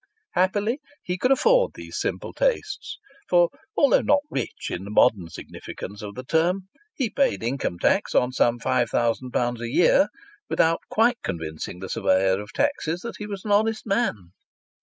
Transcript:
Happily he could afford these simple tastes, for, although not rich in the modern significance of the term, he paid income tax on some five thousand pounds a year, without quite convincing the Surveyor of Taxes that he was an honest man.